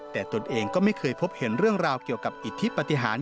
แต่ตนเองก็ไม่เคยพบเห็นเรื่องราวเกี่ยวกับอิทธิปฏิหาร